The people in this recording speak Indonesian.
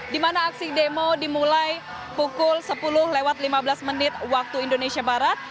di mana aksi demo dimulai pukul sepuluh lewat lima belas menit waktu indonesia barat